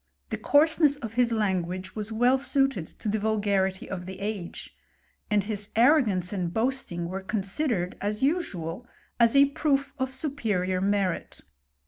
The coarseness of his language was well suited to the vulgarity of the age ; and his ar* rogance and boasting were considered, as usual, as e proof of superior merit.